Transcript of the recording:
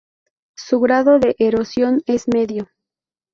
Su grado de erosión es medio.